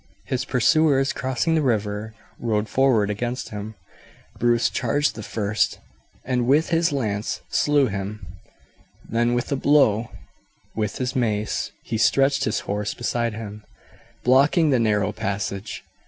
His pursuers, crossing the river, rode forward against him; Bruce charged the first, and with his lance slew him; then with a blow with his mace he stretched his horse beside him, blocking the narrow passage.